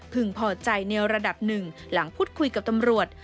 พึงเพาะใจแนวระดับหนึ่งหลังผู้คุยกับตำรวจ